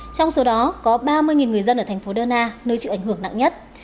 trong số đó có ba mươi người dân ở thành phố dona nơi chịu ảnh hưởng nặng nhất